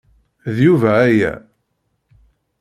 D Yuba aya.